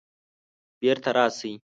بیرته راشئ